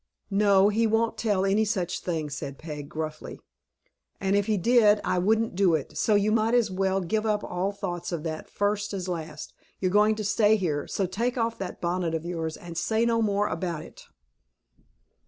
"No, he won't tell me any such thing," said Peg, gruffly; "and if he did, I wouldn't do it; so you might as well give up all thoughts of that first as last. You're going to stay here; so take off that bonnet of yours, and say no more about it."